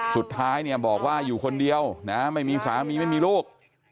สุดท้ายเนี่ยบอกว่าอยู่คนเดียวนะไม่มีสามีไม่มีลูก